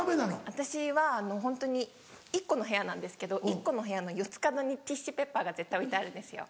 私はホントに１個の部屋なんですけど１個の部屋の四つ角にティッシュペッパーが絶対置いてあるんですよ。